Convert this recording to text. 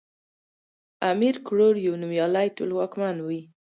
امير کروړ يو نوميالی ټولواکمن وی